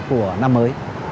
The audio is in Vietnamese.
của năm mới